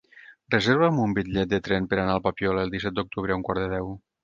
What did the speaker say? Reserva'm un bitllet de tren per anar al Papiol el disset d'octubre a un quart de deu.